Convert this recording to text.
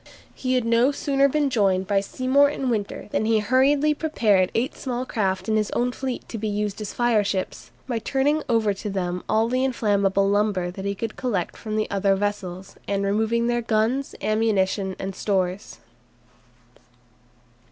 He had no sooner been joined by Seymour and Winter than he hurriedly prepared eight small craft in his own fleet to be used as fireships, by turning over to them all the inflammable lumber he could collect from the other vessels, and removing their guns, ammunition, and stores.